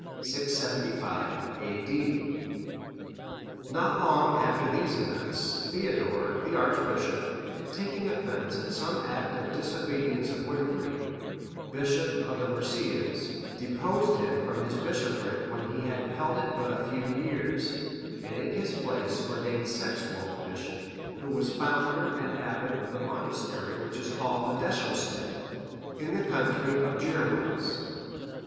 [675 A.D.] Not long after these events, Theodore, the archbishop, taking offence at some act of disobedience of Wynfrid, bishop of the Mercians,(574) deposed him from his bishopric when he had held it but a few years, and in his place ordained Sexwulf bishop,(575) who was founder and abbot of the monastery which is called Medeshamstead,(576) in the country of the Gyrwas.